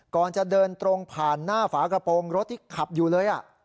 ก่อนจะเดินตรงผ่านหน้าฝากระโปรงรถที่ขับอยู่เลย